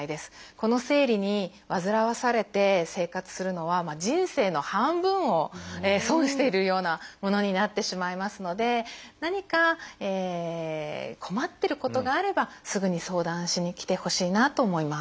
この生理にわずらわされて生活するのは人生の半分を損しているようなものになってしまいますので何か困っていることがあればすぐに相談しに来てほしいなと思います。